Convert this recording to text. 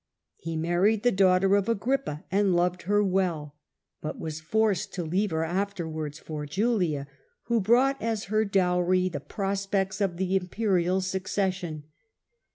He married the daughter of Agrippa, and loved her well, but was forced to leave 4 D. 14 37. Tiberius, 43 her afterwards for Julia, who brought as her dowry the prospects of the imperial succession.